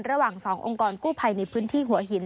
ระหว่าง๒องค์กรกู้ภัยในพื้นที่หัวหิน